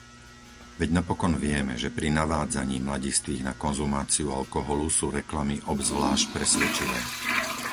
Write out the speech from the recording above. Veď napokon vieme, že pri navádzaní mladistvých na konzumáciu alkoholu sú reklamy obzvlášť presvedčivé.